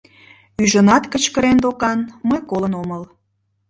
Ӱжынат кычкырен докан, мый колын омыл.